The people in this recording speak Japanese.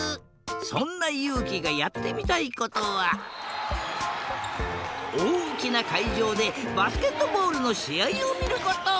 そんなゆうきがやってみたいことはおおきなかいじょうでバスケットボールのしあいをみること。